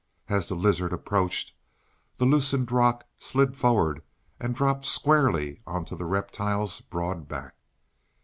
As the lizard approached, the loosened rock slid forward, and dropped squarely upon the reptile's broad back.